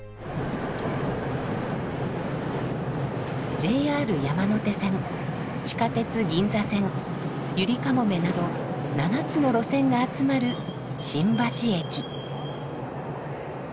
ＪＲ山手線地下鉄銀座線ゆりかもめなど７つの路線が集まる新橋駅。